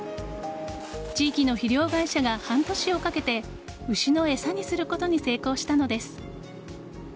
地域の肥料会社が半年をかけて牛の餌にすることに成功したのです。